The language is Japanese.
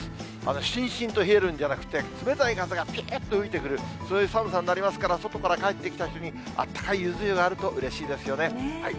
しんしんと冷えるんじゃなくて、冷たい風がぴゅーっと吹く、そういう寒さになりますから、外から帰ってきたときに、あったかいゆず湯があるとうれしいですよね。